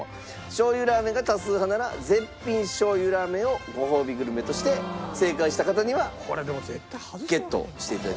しょう油ラーメンが多数派なら絶品しょう油ラーメンをごほうびグルメとして正解した方にはゲットして頂きます。